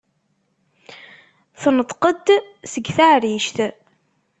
Tenṭeq-d seg teɛrict.